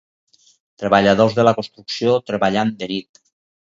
Treballadors de la construcció treballant de nit.